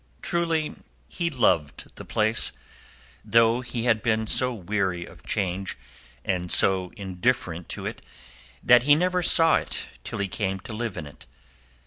Truly he loved the place, though he had been so weary of change and so indifferent to it that he never saw it till he came to live in it.